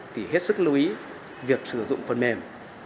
thì hết sức lưu ý việc sử dụng phần mềm